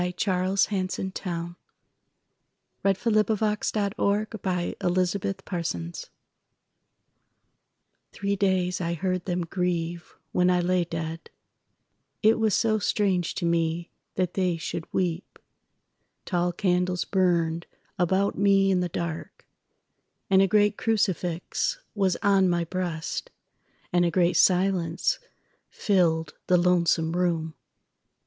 The New Poetry: An Anthology. 1917. Beyond the Stars By Charles Hanson Towne THREE days I heard them grieve when I lay dead,(It was so strange to me that they should weep!)Tall candles burned about me in the dark, And a great crucifix was on my breast, And a great silence filled the lonesome room.